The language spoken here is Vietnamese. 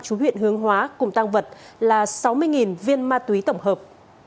chú huyện hướng hóa cùng tăng vật là sáu mươi viên ma túy tổng hợp